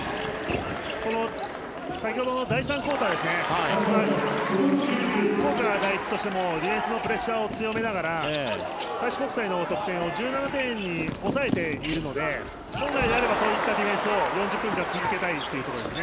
先ほどの第３クオーターで福岡第一としてもディフェンスを強めながら、開志国際の得点を１７点に抑えているので本来であればそういったディフェンスを４０分か続けたいところですね。